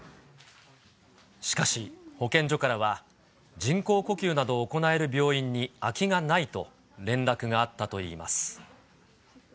しかし、保健所からは、人工呼吸などを行える病院に空きがないと連絡があったといいます。